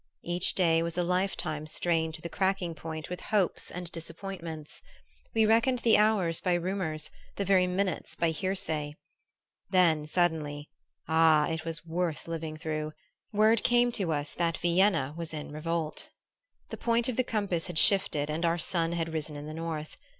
Each day was a life time strained to the cracking point with hopes and disappointments. We reckoned the hours by rumors, the very minutes by hearsay. Then suddenly ah, it was worth living through! word came to us that Vienna was in revolt. The points of the compass had shifted and our sun had risen in the north.